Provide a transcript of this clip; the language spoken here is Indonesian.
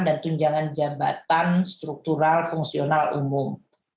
dan tunjangan jabatan struktural fungsional umum